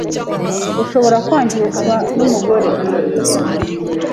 ushobora kwangizwa n’umugore